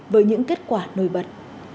với những kết quả nổi bật